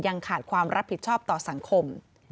ยังขาดความรับผิดชอบต่อสังคม